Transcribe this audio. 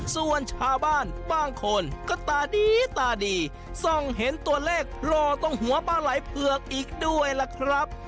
ส่วนชาวบ้านบางคนก็ตาดีตาดีส่องเห็นตัวเลขโผล่ตรงหัวปลาไหล่เผือกอีกด้วยล่ะครับ